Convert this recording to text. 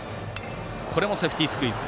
これもセーフティースクイズ。